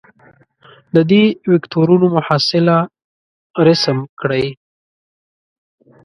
د دې وکتورونو محصله رسم کړئ.